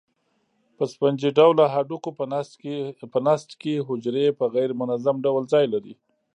په سفنجي ډوله هډوکو په نسج کې حجرې په غیر منظم ډول ځای لري.